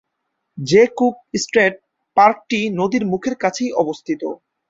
J Cook State পার্কটি নদীর মুখের কাছেই অবস্থিত।